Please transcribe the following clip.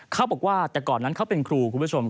เขาบอกว่าก่อนนั้นเป็นครู